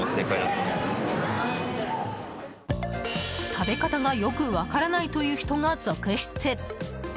食べ方がよく分からないという人が続出。